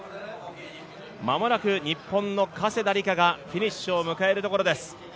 間もなく日本の加世田梨花がフィニッシュを迎えるところです。